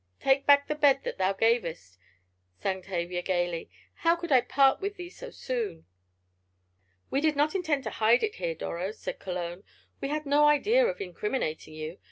"Take back the bed that thou gavest!" sang Tavia, gaily. "How could I part with thee so soon!" "We did not intend to hide it here, Doro," said Cologne. "We had no idea of incriminating you.